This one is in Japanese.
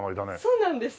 そうなんです。